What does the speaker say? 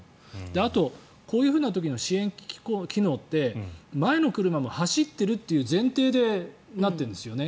あと、こういう時の支援機能って前の車も走っているという前提でなっているんですよね。